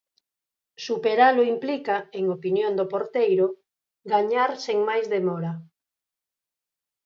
Superalo implica, en opinión do porteiro, gañar sen máis demora...